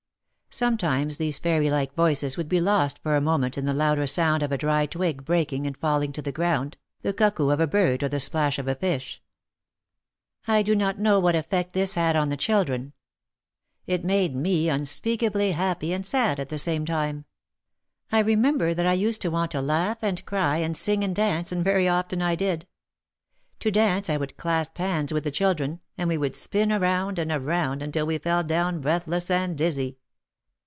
Sometimes these fairy like voices would be lost for a moment in the louder sound of a dry twig breaking and falling to the ground, the cuckoo of a bird or the splash of a fish. I do not know what effect this had on the children. It made me unspeakably happy and sad at the same time. I remember that I used to want to laugh and cry and sing and dance, and very often I did. To dance I would clasp hands with the children, and we would spin around, and around, until we fell down breathless and dizzy.